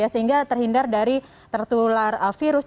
sehingga terhindar dari tertular virus